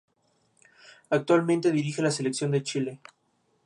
Actualmente dirige a la Selección de Chile.